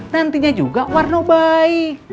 nantinya juga warno baik